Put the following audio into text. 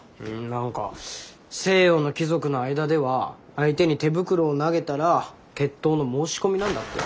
何か西洋の貴族の間では相手に手袋を投げたら決闘の申し込みなんだって。